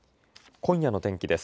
今夜の天気です。